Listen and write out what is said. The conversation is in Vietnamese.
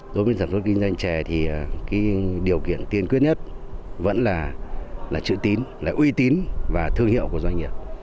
đối với sản xuất kinh doanh chè thì điều kiện tiên quyết nhất vẫn là chữ tín là uy tín và thương hiệu của doanh nghiệp